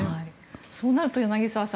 そうなると柳澤さん